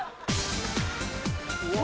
お！